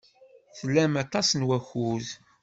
Tlam aṭas n wakud.